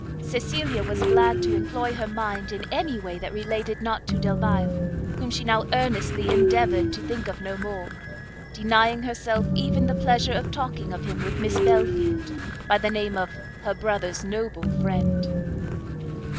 Cecilia was glad to employ her mind in any way that related not to Delvile, whom she now earnestly endeavoured to think of no more, denying herself even the pleasure of talking of him with Miss Belfield, by the name of her brother's noble friend.